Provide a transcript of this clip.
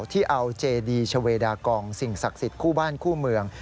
ที่เอาเจดีชเวดากองสิ่งศักดิ์สิทธิ์คู่บ้านคู่เมือง